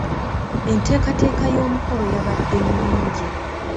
Enteekateeka y'omukolo yabadde nnungi.